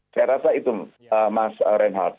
saya rasa itu mas reinhardt